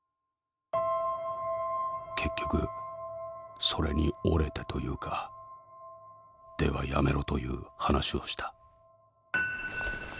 「結局それに折れてというかではやめろという話をした」。